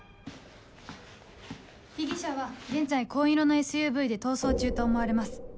被疑者は現在紺色のＳＵＶで逃走中と思われます。